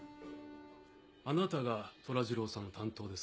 あなたが寅二郎さんの担当ですか？